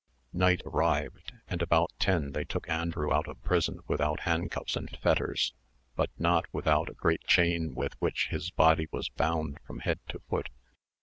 Night arrived; and about ten they took Andrew out of prison without handcuffs and fetters, but not without a great chain with which his body was bound from head to foot.